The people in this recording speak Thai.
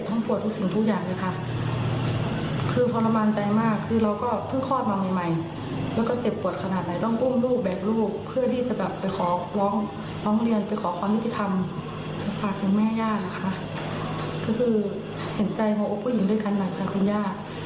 ก็คือเห็นใจโหกผู้หญิงด้วยกันหน่อยครับคุณย่า